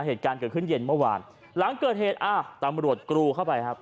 เหตุการณ์เกิดขึ้นเย็นเมื่อวานหลังเกิดเหตุอ่าตำรวจกรูเข้าไปครับ